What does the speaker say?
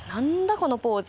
このポーズ。